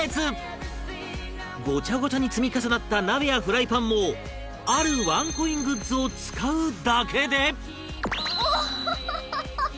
ごちゃごちゃに積み重なった鍋やフライパンもあるワンコイングッズを使うだけで